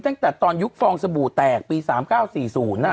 ตั้งแต่ตอนยุคฟองสบู่แตกปีสามเก้าสี่ศูนย์อ่ะ